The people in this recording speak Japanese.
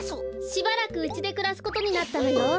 しばらくうちでくらすことになったのよ。